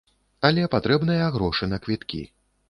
Але патрэбныя грошы на квіткі.